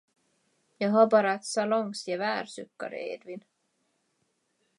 Jag har bara ett salongsgevär, suckade Edvin.